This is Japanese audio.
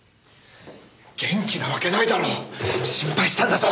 元気なわけないだろう！心配したんだぞ！